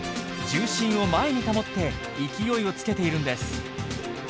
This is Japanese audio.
重心を前に保って勢いをつけているんです。